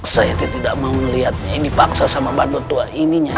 saya tidak mau melihatnya dipaksa sama pak duk tua ini nyai